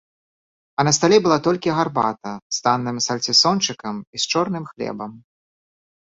А на стале была толькі гарбата з танным сальцісончыкам і з чорным хлебам.